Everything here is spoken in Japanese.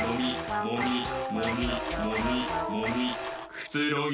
くつろぎ